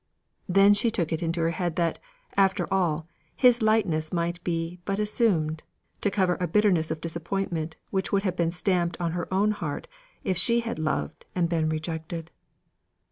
Then she took it into her head that, after all, his lightness might be but assumed, to cover a bitterness of disappointment which would have been stamped on her own heart if she had loved and been rejected.